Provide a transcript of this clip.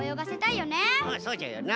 そうじゃよな。